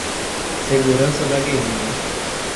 Segurança da Guerrilha